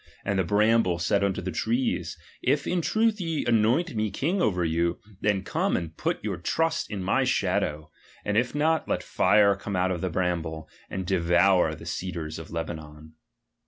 And the hramhle said unto the trees, If in truth ye anoint me king over you, then come and put your trust in my shadow ; and if not, let fire come out of the bramble, and devour the cedars of Lebanon.